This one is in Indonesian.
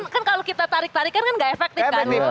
kan kalau kita tarik tarikan kan gak efektif kan